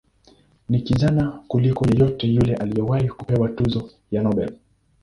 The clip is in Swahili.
Ni kijana kuliko yeyote yule aliyewahi kupewa tuzo ya Nobel.